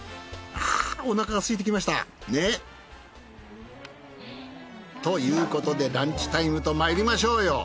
あぁおなかがすいてきましたね。ということでランチタイムとまいりましょうよ。